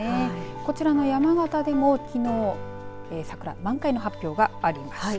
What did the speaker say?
こちらの山形でも、きのう桜、満開の発表がありました。